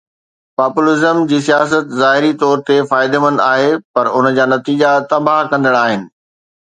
Populism جي سياست ظاهري طور تي فائديمند آهي پر ان جا نتيجا تباهه ڪندڙ آهن.